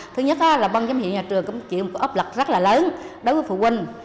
thứ nhất là băng giám hiệu nhà trường cũng chịu một ốc lực rất là lớn đối với phụ quân